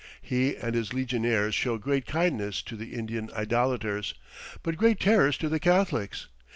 He and his legionaries show great kindness to the Indian idolators, but great terrors to the Catholics.